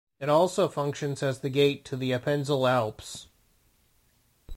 It also functions as the gate to the Appenzell Alps.